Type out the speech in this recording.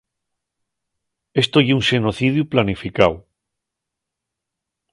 Esto ye un xenocidiu planificáu.